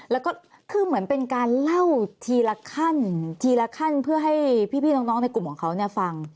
แล้วก็คือเหมือนเป็นการเล่าทีละขั้นทีละขั้นเพื่อให้พี่น้องในกลุ่มของเขาฟัง